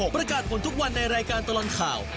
ประกาศผลทุกวันในรายการตลอดข่าว